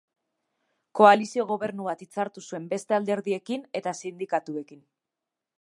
Koalizio-gobernu bat hitzartu zuen beste alderdiekin eta sindikatuekin.